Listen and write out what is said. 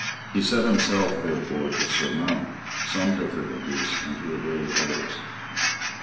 He set himself therefore to surmount some difficulties and to evade others.